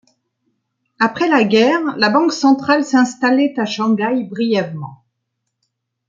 Après la guerre, la banque centrale s’installait à Shanghaï brièvement.